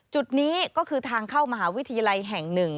จุดนี้ก็คือทางเข้ามหาวิทยาลัยแห่ง๑